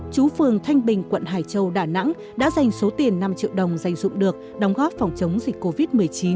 chú phường thanh bình quận hải châu đà nẵng đã dành số tiền năm triệu đồng dành dụng được đóng góp phòng chống dịch covid một mươi chín